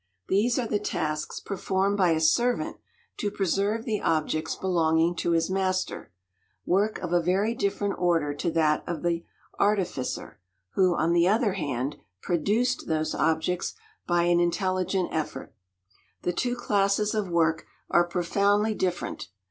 These are the tasks performed by a servant to preserve the objects belonging to his master, work of a very different order to that of the artificer, who, on the other hand, produced those objects by an intelligent effort. The two classes of work are profoundly different.